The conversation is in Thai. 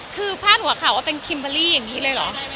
คือพาดหัวข่าวว่าเป็นคิมเบอร์รี่อย่างนี้เลยเหรอ